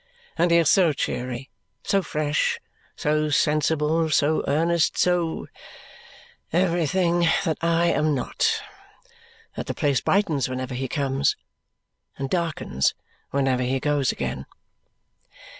And he is so cheery, so fresh, so sensible, so earnest, so everything that I am not, that the place brightens whenever he comes, and darkens whenever he goes again."